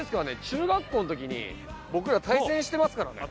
中学校の時に僕ら対戦してますからね。